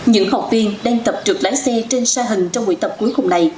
những học viên đang tập trượt lái xe trên xa hình trong khu vực hồ chí minh